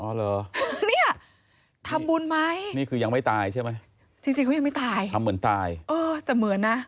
อ๋อเหรอนี่ทำบุญไหมจริงเขายังไม่ตายทำเหมือนตายแต่เหมือนนะ